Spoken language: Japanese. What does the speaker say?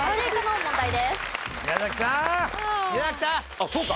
あっそうか。